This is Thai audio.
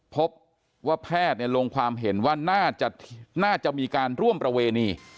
พบว่าแพทย์ลงความเห็นว่าน่าจะมีการร่วมประเวณี